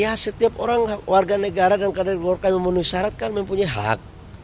ya setiap orang warga negara dan kader luar kami memenuhi syarat kan mempunyai hak